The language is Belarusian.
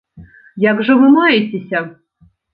Як жа вы маецеся?